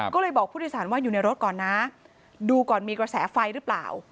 ก็เลยบอกผู้โดยสารว่าอยู่ในรถก่อนนะดูก่อนมีกระแสไฟหรือเปล่า